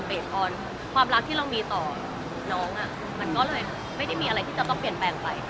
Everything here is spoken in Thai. ออนความรักที่เรามีต่อน้องมันก็เลยไม่ได้มีอะไรที่จะต้องเปลี่ยนแปลงไป